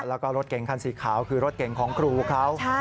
แล้วก็รถเก่งคันสีขาวคือรถเก่งของครูเขา